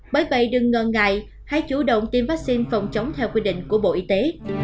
bởi vậy đừng ngần ngại hãy chủ động tiêm vaccine phòng chống theo quy định của bộ y tế